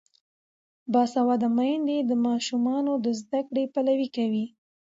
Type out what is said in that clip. باسواده میندې د ماشومانو د زده کړې پلوي کوي.